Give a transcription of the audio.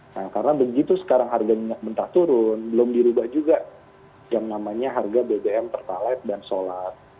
nah karena begitu sekarang harga minyak mentah turun belum dirubah juga yang namanya harga bbm pertalite dan solar